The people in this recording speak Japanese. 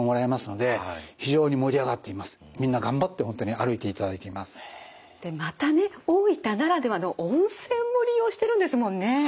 でまたね大分ならではの温泉も利用してるんですもんね。